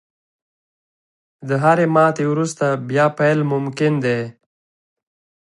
• د هرې ماتې وروسته، بیا پیل ممکن دی.